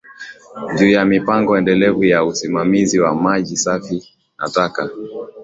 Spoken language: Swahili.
juu ya mipango endelevu ya usimamizi wa maji safi na taka